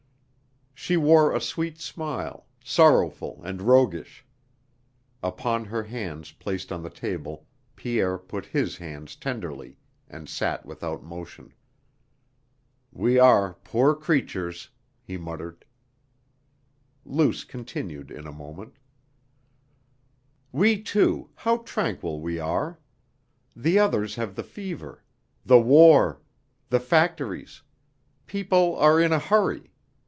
She wore a sweet smile, sorrowful and roguish. Upon her hands placed on the table Pierre put his hands tenderly, and sat without motion. "We are poor creatures," he muttered. Luce continued in a moment: "We two, how tranquil we are!... The others have the fever. The war. The factories. People are in a hurry.